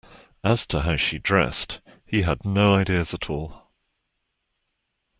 As to how she dressed, he had no ideas at all.